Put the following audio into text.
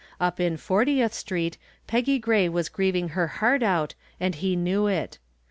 Up in Fortieth Street Peggy Gray was grieving her heart out and he knew it.